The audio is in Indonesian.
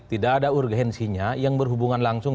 tidak ada urgensinya yang berhubungan langsung